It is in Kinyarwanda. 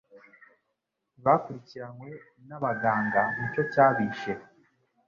ntibakurikiranwe n'abaganga nicyo cyabishe